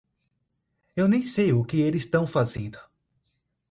Eu nem sei o que eles tão fazendo.